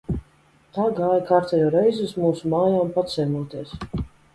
Tā gāja kārtējo reizi uz mūsu mājām paciemoties.